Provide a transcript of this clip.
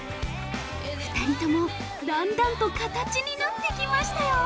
２人とも、だんだんと形になってきましたよー。